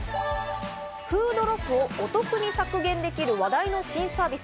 フードロスをお得に削減できる話題の新サービス